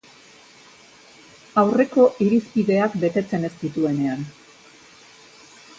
Aurreko irizpideak betetzen ez dituenean.